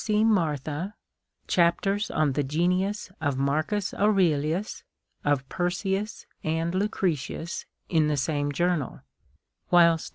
C. Martha, chapters on th ; genius of Marcus Aurelius, of Persius, and Lucretius, in the same journal ; wliilst M.